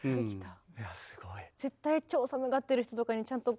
いやすごい。